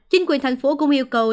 chính quyền thành phố cũng yêu cầu